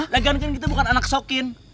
lagian kan kita bukan anak sokin